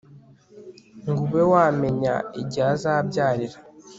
ngo ube wamenya igihe azabyarira